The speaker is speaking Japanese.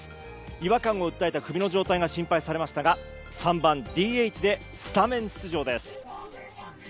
違和感を訴えた首の状態が心配されましたが３番ＤＨでスタメン出場です。